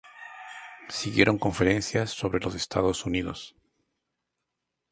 Siguieron conferencias sobre los Estados Unidos.